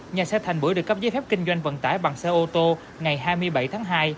nhà xe thành bưởi được cấp giấy phép kinh doanh vận tải bằng xe ô tô ngày hai mươi bảy tháng hai